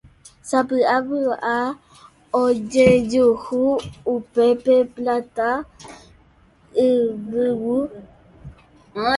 Sapy'apy'a ojejuhu upépe Pláta Yvyguy.